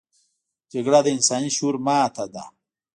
جګړه د انساني شعور ماتې ده